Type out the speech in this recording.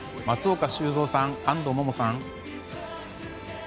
松岡修造さん、安藤萌々さん。